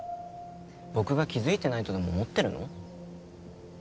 僕が気づいてないとでも思ってるの？